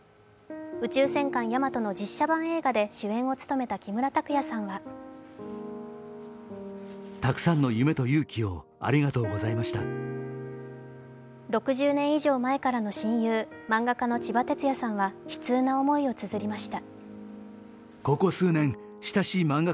「宇宙戦艦ヤマト」の実写映画版で主演を務めた木村拓哉さんは６０年以上前からの親友、漫画家のちばてつやさんは悲痛な思いをつづりました。